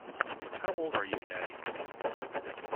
How old are you, daddy.